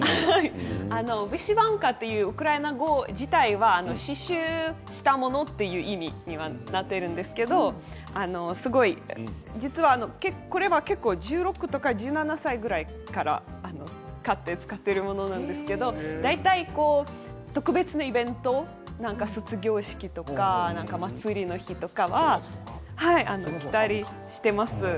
ヴィシヴァンカというウクライナ語自体が刺しゅうしたものという意味にはなっているんですけど実は、これは結構１６歳とか１７歳ぐらいから買って使っているものなんですけど大体、特別なイベント卒業式とか祭りの日とかは着たりしています。